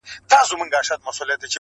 د بېعقل جواب سکوت دئ.